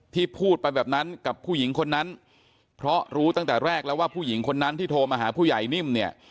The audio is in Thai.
พูดไปแบบนั้นกับผู้หญิงคนนั้นเพราะรู้ตั้งแต่แรกแล้วว่าผู้หญิงคนนั้นที่โทรมาหาผู้ใหญ่นิ่มเนี่ย